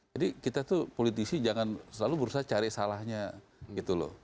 jadi kita tuh politisi jangan selalu berusaha cari salahnya gitu loh